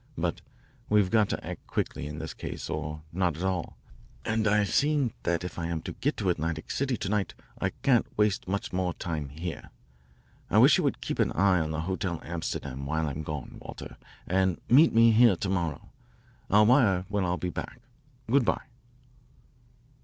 But we've got to act quickly in this case or not at all, and I see that if I am to get to Atlantic City to night I can't waste much more time here. I wish you would keep an eye on the Hotel Amsterdam while I am gone, Walter, and meet me here, to morrow. I'll wire when I'll be back. Good bye."